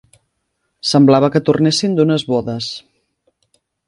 Semblava que tornessin d'unes bodes